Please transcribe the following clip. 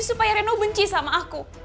supaya reno benci sama aku